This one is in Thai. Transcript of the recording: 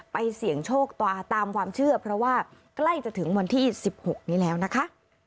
เสี่ยงโชคตามความเชื่อเพราะว่าใกล้จะถึงวันที่๑๖นี้แล้วนะคะ